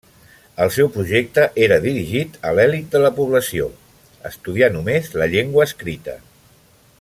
El seu projecte era dirigit a l'elit de la població, estudià només la llengua escrita.